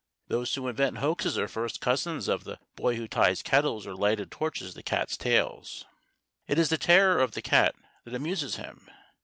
Those who invent hoaxes are first cousins of the boy who ties kettles or lighted torches to cats' tails. It is the terror of the cat that amuses him.